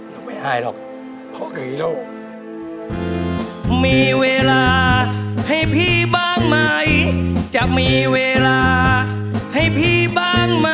ไม่ต้องไม่อ้ายหรอกพ่อก็คือฮีโต้